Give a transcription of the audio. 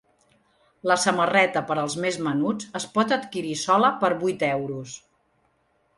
La samarreta per als més menuts es pot adquirir sola per vuit euros.